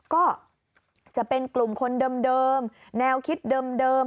ก็จะเป็นกลุ่มคนเดิมแนวคิดเดิม